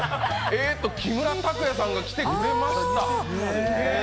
えーっと木村拓也さんが来てくれました。